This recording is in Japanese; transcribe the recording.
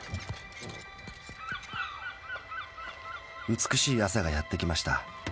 美しい朝がやってきました。